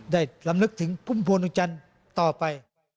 ได้รำนึกถึงปุ้มพวงตรงจันทร์ต่อไป